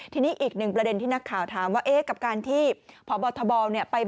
ทีนี้อีกหนึ่งประเด็นที่นักข่าวถามว่า